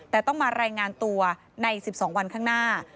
แต่ต้องมารายงานตัวใน๑๒วันข้างหน้า